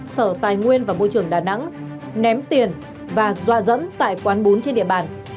sở tài nguyên và bộ trưởng đà nẵng ném tiền và doa dẫm tại quán bún trên địa bàn